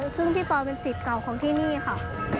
ซึ่งพี่ปอลเป็นสิทธิ์เก่าของที่นี่ค่ะ